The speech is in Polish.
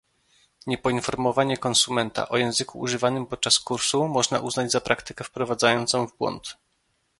Niepoinformowanie konsumenta o języku używanym podczas kursu można uznać za praktykę wprowadzającą w błąd